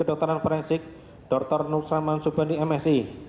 kedokteran forensik dr nusra mansubandi msi